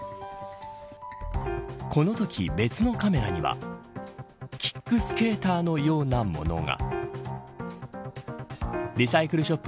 このとき別のカメラにはキックスケーターのようなものが。